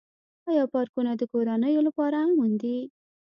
آیا پارکونه د کورنیو لپاره امن دي؟